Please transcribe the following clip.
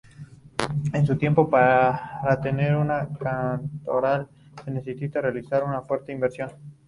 En su tiempo, para tener un cantoral se necesitaba realizar una fuerte inversión.